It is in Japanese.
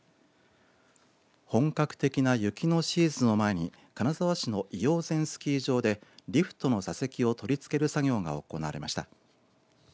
本格的な雪のシーズンを前に金沢市の医王山スキー場でリフトの座席を取り付ける作業が行われました。